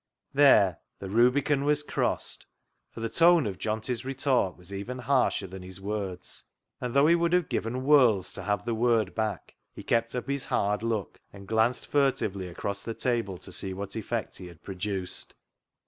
There ! the rubicon was crossed, for the tone of Johnty's retort was even harsher than his words, and though he would have given worlds to have the word back, he kept up his hard look, and glanced furtively across the table to see what effect he had produced.